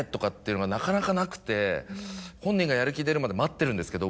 本人がやる気出るまで待ってるんですけど